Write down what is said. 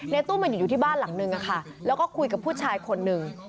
ตุ้มมันอยู่ที่บ้านหลังนึงแล้วก็คุยกับผู้ชายคนหนึ่ง